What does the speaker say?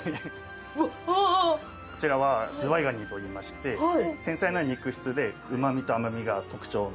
こちらはズワイガニといいまして繊細な肉質でうま味と甘味が特徴で。